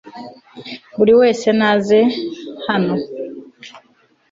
buri wese naze hano